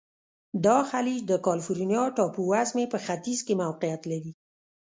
دا خلیج د کلفورنیا ټاپو وزمي په ختیځ کې موقعیت لري.